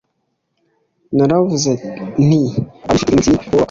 naravuze nti abafite iminsi ni bo bakwiriye